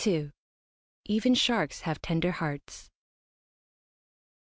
EVEN SHARKS HAVE TENDER HEARTS.